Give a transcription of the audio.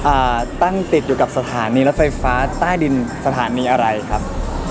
อ่าตั้งติดอยู่กับสถานีรถไฟฟ้าใต้ดินสถานีอะไรครับ